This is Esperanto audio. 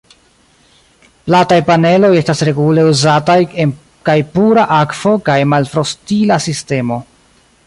Plataj paneloj estas regule uzataj en kaj pura akvo kaj malfrostila sistemoj.